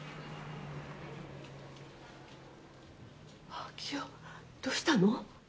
昭夫、どうしたの？